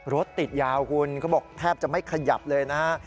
รถติดยาวคุณเขาบอกแทบจะไม่ขยับเลยนะฮะ